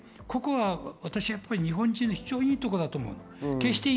ここは日本人の非常に良いところだと思うの。